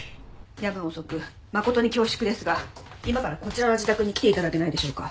夜分遅く誠に恐縮ですが今からこちらの自宅に来て頂けないでしょうか。